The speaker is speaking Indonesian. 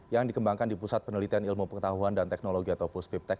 yang dikembangkan di pusat penelitian ilmu pengetahuan dan teknologi atau puspiptek